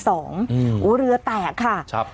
โอ้โหเรือแตกค่ะ